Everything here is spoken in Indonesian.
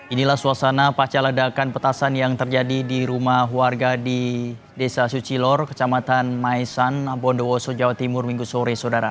inilah suasana pasca ledakan petasan yang terjadi di rumah warga di desa sucilor kecamatan maisan bondowoso jawa timur minggu sore